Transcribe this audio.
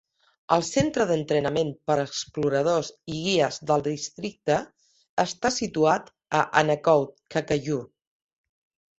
El centre d'entrenament per a exploradors i guies del districte està situat a Annakode, Kakkayur.